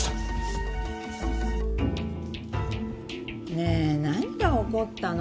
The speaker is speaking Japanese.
ねえ何が起こったの？